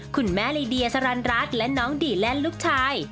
คุณแม่ลีเดียสรรรัสและน้องดีแลนด์ลูกชาย